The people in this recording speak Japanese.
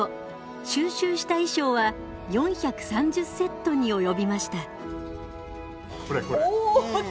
収集した衣装は４３０セットに及びました。